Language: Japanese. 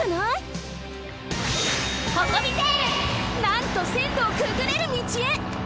なんとせんろをくぐれる道へ！